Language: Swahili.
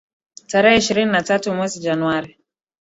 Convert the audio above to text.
tarehe ishirini na tatu mwezi Januari